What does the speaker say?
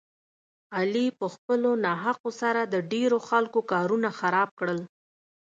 علي په خپلو ناحقو سره د ډېرو خلکو کارونه خراب کړل.